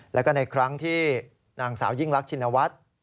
แล้วก็ในครั้งที่นางสาวยิ่งรักชินวัฒน์